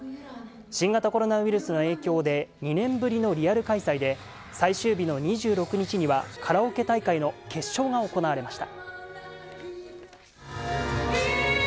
新型コロナウイルスの影響で２年ぶりのリアル開催で、最終日の２６日には、カラオケ大会の決勝が行われました。